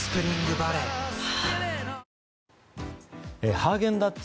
ハーゲンダッツ